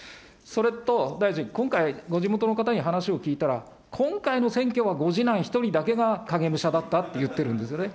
それと大臣、今回、ご地元の方に話を聞いたら、今回の選挙はご次男一人だけが影武者だったって言ってるんですよね。